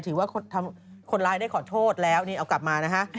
ถือว่าคนร้ายได้ขอโทษแล้วนี่เอากลับมานะฮะ